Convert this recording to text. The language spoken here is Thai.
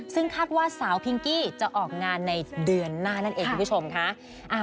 ซึ่งคาดว่าสาวพิงกี้จะออกงานในเดือนหน้านั่นเองคุณผู้ชมค่ะ